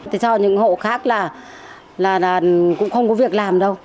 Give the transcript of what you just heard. thế cho những hộ khác là cũng không có việc làm đâu